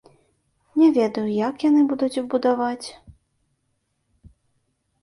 Не ведаю, як яны будуць будаваць.